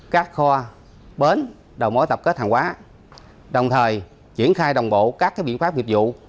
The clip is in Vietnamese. các kho bến đầu mối tập kết hàng hóa đồng thời triển khai đồng bộ các biện pháp nghiệp vụ